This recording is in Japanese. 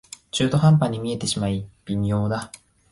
中途半端に見えてしまい微妙だ